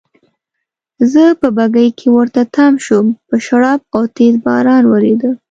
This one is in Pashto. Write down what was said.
زه په بګۍ کې ورته تم شوم، په شړپ او تېز باران وریده.